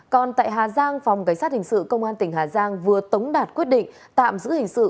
còn tại hà giang phòng cảnh sát hình sự công an tỉnh hà giang vừa tống đạt quyết định tạm giữ hình sự